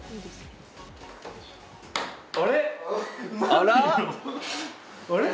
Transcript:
あら？